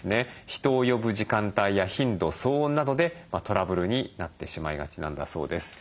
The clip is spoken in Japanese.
人を呼ぶ時間帯や頻度騒音などでトラブルになってしまいがちなんだそうです。